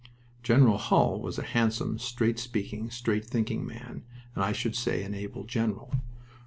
General Hull was a handsome, straight speaking, straight thinking man, and I should say an able general.